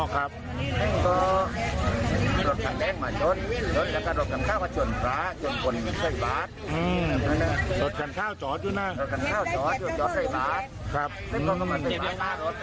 อ๋อครับไม่ต้อง